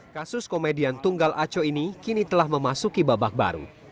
kasus komedian tunggal aco ini kini telah memasuki babak baru